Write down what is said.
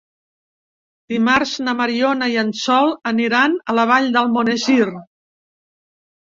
Dimarts na Mariona i en Sol aniran a la Vall d'Almonesir.